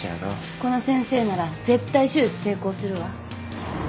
この先生なら絶対手術成功するわ。